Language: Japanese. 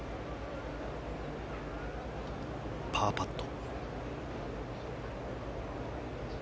パーパット。